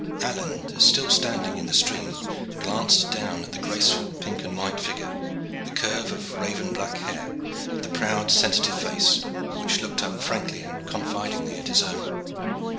Alleyne, still standing in the stream, glanced down at the graceful pink and white figure, the curve of raven black hair, and the proud, sensitive face which looked up frankly and confidingly at his own.